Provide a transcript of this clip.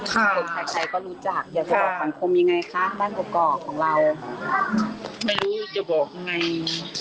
คนไทยก็รู้จักเกี่ยวกับบ้านกบกอกของเรายังไงคะ